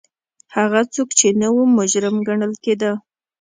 هغه څوک چې نه وو مجرم ګڼل کېده